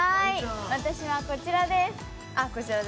私はこちらです。